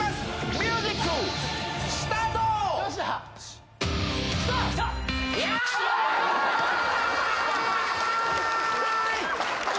ミュージックスタートヤーイ